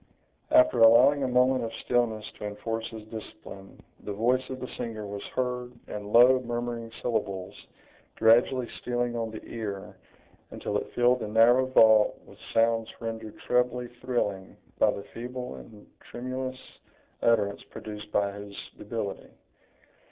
After allowing a moment of stillness to enforce his discipline, the voice of the singer was heard, in low, murmuring syllables, gradually stealing on the ear, until it filled the narrow vault with sounds rendered trebly thrilling by the feeble and tremulous utterance produced by his debility.